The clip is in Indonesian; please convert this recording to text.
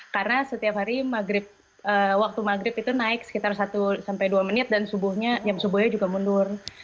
karena setiap hari waktu maghrib itu naik sekitar satu dua menit dan subuhnya juga mundur